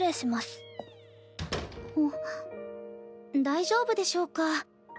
大丈夫でしょうか？